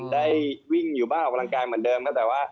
ได้วิ่งอยู่บ้านออกกำลังกายเหมือนเดิมครับแต่ว่า